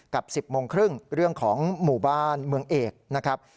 ๑๐โมงครึ่งเรื่องของหมู่บ้านเมืองเอกนะครับ